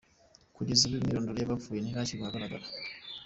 Kugeza ubu, imyirondoro y’abapfuye ntirashyirwa ahagaragara.